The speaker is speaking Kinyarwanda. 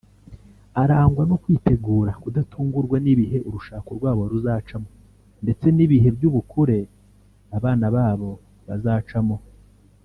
Arangwa no kwitegura/kudatungurwa n’ibihe urushako rwabo ruzacamo ndetse n'ibihe by'ubukure abana babo bazacamo